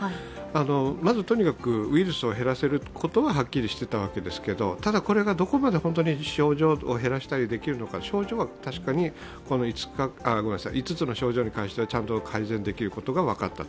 とにかくウイルスを減らせることははっきりしていたわけですがただ、これがどこまで症状を減らしたりできるのか確かに５つの症状に関してはちゃんと改善できることが分かった。